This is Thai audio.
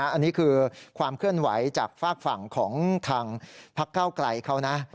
อันนี้คือความเคลื่อนไหวจากฝากฝั่งของทางพักเก้าไกลเขานะ